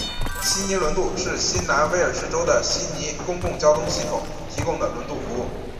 悉尼轮渡是新南威尔士州的悉尼公共交通系统提供的轮渡服务。